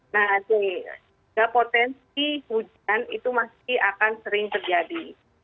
nah potensi hujan itu masih akan sering terjadi